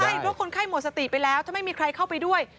ใช่เพราะคนไข้หมดสติไปแล้วถ้าไม่มีใครเข้าไปด้วย